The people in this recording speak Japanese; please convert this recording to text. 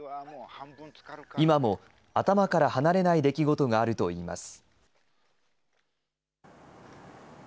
今も頭から離れない出来事があるといいます。